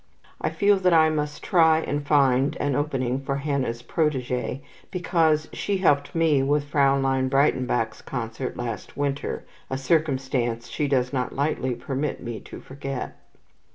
I feel that I must try and find an opening for Hannah's protegee, because she helped me with Fraulein Breitenbach's concert last winter, a circumstance she does not lightly permit me to forget.